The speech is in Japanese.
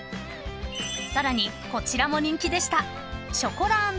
［さらにこちらも人気でした］